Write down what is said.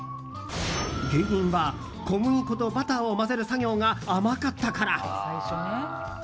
原因は小麦粉とバターを混ぜる作業が甘かったから。